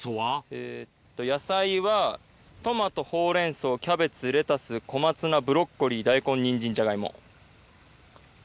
えーと、野菜は、トマト、ホウレンソウ、キャベツ、レタス、小松菜、ブロッコリー、大根、ニンジン、ジャガイモ。